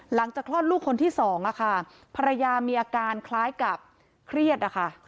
หลังจากคลอดลูกคนที่สองภรรยามีอาการคล้ายกับเครียด